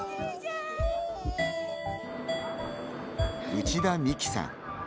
内田美希さん。